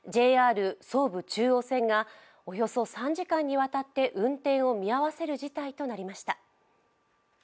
ＪＲ総武・中央線がおよそ３時間にわたって運転を見合わせる事態となりました。